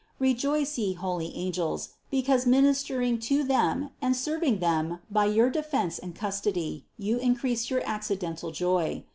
Re joice, ye holy angels, because ministering to them and serving them by your defense and custody, you increase your accidental joy.